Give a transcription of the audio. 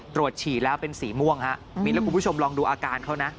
ฉี่แล้วเป็นสีม่วงฮะมีแล้วคุณผู้ชมลองดูอาการเขานะ